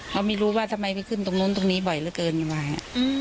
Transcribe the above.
เขาไม่รู้ว่าทำไมไปขึ้นตรงนู้นตรงนี้บ่อยเหลือเกินอยู่ว่าอย่างนี้